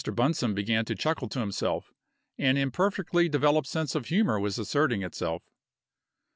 Bunsome began to chuckle to himself. An imperfectly developed sense of humor was asserting itself.